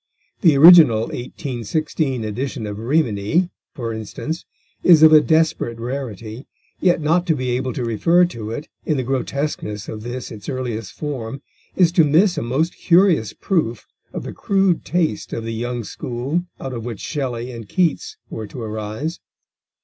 The original 1816 edition of Rimini, for instance, is of a desperate rarity, yet not to be able to refer to it in the grotesqueness of this its earliest form is to miss a most curious proof of the crude taste of the young school out of which Shelley and Keats were to arise.